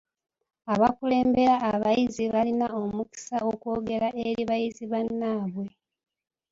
Abakulembera abayizi balina omukisa okwogera eri bayizi bannaabwe.